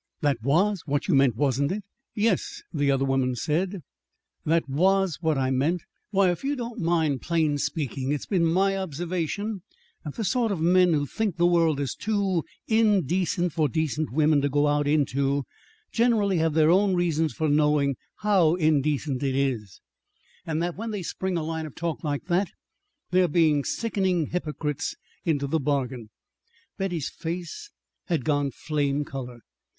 "That was what you meant, wasn't it?" "Yes," the other woman said, "that was what I meant. Why, if you don't mind plain speaking, it's been my observation that the sort of men who think the world is too indecent for decent women to go out into, generally have their own reasons for knowing how indecent it is; and that when they spring a line of talk like that, they're being sickening hypocrites into the bargain." Betty's face had gone flame color.